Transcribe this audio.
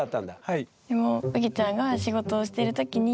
はい。